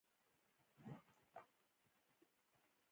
د لومړۍ ناحیې اړوند د کابل